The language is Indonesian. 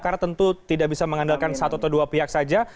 karena tentu tidak bisa mengandalkan satu atau dua pihak saja